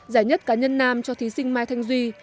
giải nhất cá nhân nam cho thí sinh mai thanh duy